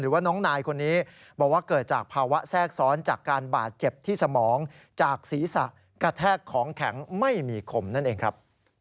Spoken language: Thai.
ว่าน้องนายคนนี้บอกว่าเกิดจากภาวะแทรกซ้อนจากการบาดเจ็บที่สมองจากศีรษะกระแทกของแข็งไม่มีคมนั่นเองครับ